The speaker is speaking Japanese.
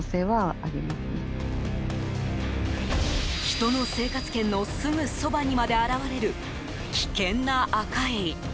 人の生活圏のすぐそばにまで現れる危険なアカエイ。